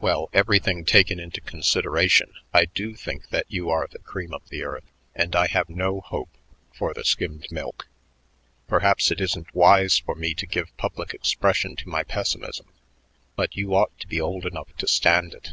Well, everything taken into consideration, I do think that you are the cream of the earth; and I have no hope for the skimmed milk. Perhaps it isn't wise for me to give public expression to my pessimism, but you ought to be old enough to stand it."